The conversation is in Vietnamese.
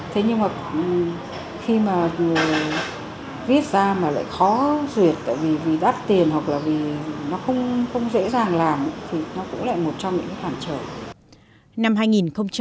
thế nhưng mà khi mà viết ra mà lại khó duyệt tại vì đắt tiền hoặc là vì nó không dễ dàng làm thì nó cũng lại một trong những khoảng trời